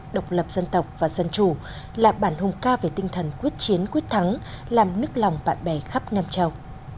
độc lập dân tộc và dân chủ là bản hùng ca về tinh thần quyết chiến quyết thắng làm nức lòng bạn bè khắp nam châu